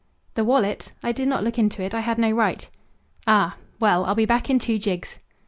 "The wallet? I did not look into it. I had no right." "Ah! Well, I'll be back in two jigs."